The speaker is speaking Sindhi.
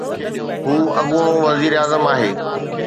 هو اڳوڻو وزيراعظم آهي.